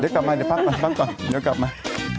เดี๋ยวกลับมาเดี๋ยวพักกันพักก่อนเดี๋ยวกลับมา